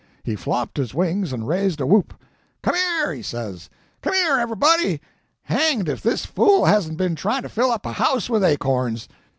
He flopped his wings and raised a whoop. 'Come here!' he says, 'Come here, everybody; hang'd if this fool hasn't been trying to fill up a house with acorns!'